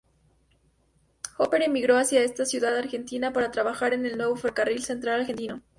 Hooper emigró hacia esta ciudad argentina para trabajar en el nuevo Ferrocarril Central Argentino.